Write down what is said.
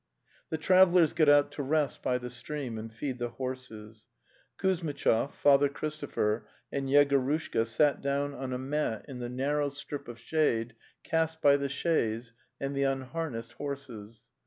The travellers got out'to rest by the stream and feed the horses. Kuzmitchov, Father Christopher and Yegorushka sat down on a mat in the nar The Steppe pte) row strip of shade cast by the chaise and the un harnessed horses.